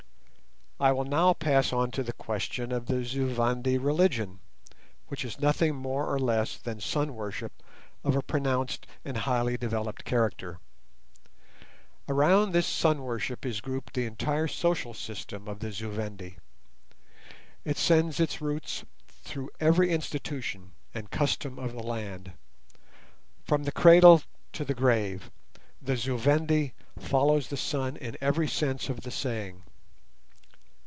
I will now pass on to the question of the Zu Vendi religion, which is nothing more or less than sun worship of a pronounced and highly developed character. Around this sun worship is grouped the entire social system of the Zu Vendi. It sends its roots through every institution and custom of the land. From the cradle to the grave the Zu Vendi follows the sun in every sense of the saying.